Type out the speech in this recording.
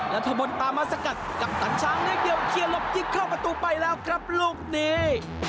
ทะบนตามมาสกัดกัปตันช้างนิดเดียวเคลียร์หลบยิงเข้าประตูไปแล้วครับลูกนี้